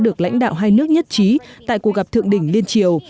hàn quốc đã được lãnh đạo hai nước nhất trí tại cuộc gặp thượng đình liên triều